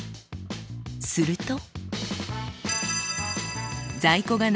すると。